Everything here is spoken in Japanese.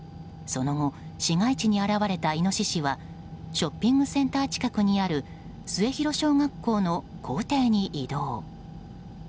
その後市街地に現れたイノシシはショッピングセンター近くにある末広小学校の校庭に移動。